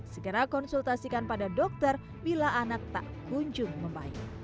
segera konsultasikan pada dokter bila anak tak kunjung membaik